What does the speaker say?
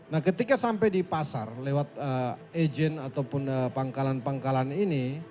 nah ketika sampai di pasar lewat agent ataupun pangkalan pangkalan ini